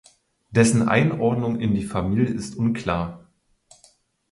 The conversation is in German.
Dessen Einordnung in die Familie ist unklar.